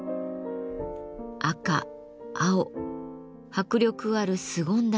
赤青迫力あるすごんだ